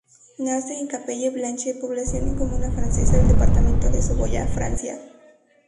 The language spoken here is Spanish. Nace en la Chapelle-Blanche, población y comuna francesa del departamento de Saboya, Francia.